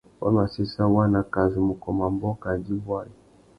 Wa mà séssa waná kā zu mù kômô ambōh kā djï bwari.